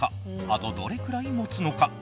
あとどれくらいもつのか？